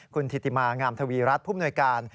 คุณธิติมันงามทวีรัทย์ผู้โบราณการ